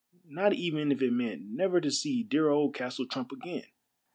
Not even if it meant never to see dear old Castle Trump again